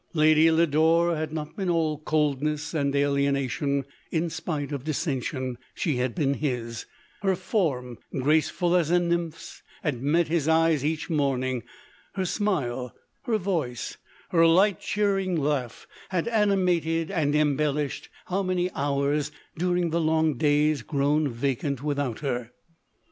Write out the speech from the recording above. Lady Lodore had not been all coldness and alienation ; in spite of dissension, she had been his; her form, graceful as a nymph's, had met his eyes each morning ; her smile, her voice, her light cheer ing laugh, had animated and embellished, how many hours during the long days, grown vacant without her.